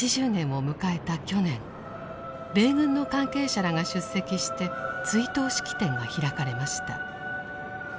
去年米軍の関係者らが出席して追悼式典が開かれました。